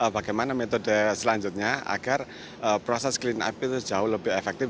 bagaimana metode selanjutnya agar proses clean up itu jauh lebih efektif